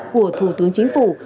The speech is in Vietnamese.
của thủ tướng chính phủ